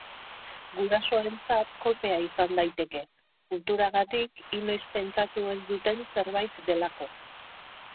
Gurasoentzat kolpea izan daiteke, kulturagatik inoiz pentsatu ez duten zerbait delako.